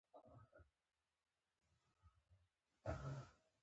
څوک چي څونه پر نورو بد ګومانه يي؛ هغونه پرځان هم يي.